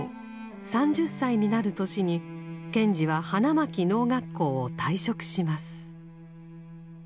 ３０歳になる年に賢治は花巻農学校を退職します。